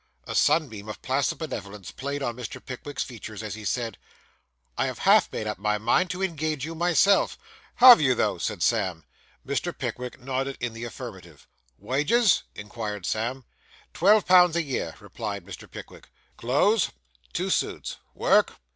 A sunbeam of placid benevolence played on Mr. Pickwick's features as he said, 'I have half made up my mind to engage you myself.' 'Have you, though?' said Sam. Mr. Pickwick nodded in the affirmative. 'Wages?' inquired Sam. 'Twelve pounds a year,' replied Mr. Pickwick. 'Clothes?' 'Two suits.' 'Work?